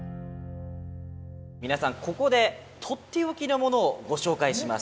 皆さんここで取って置きのものをご紹介します。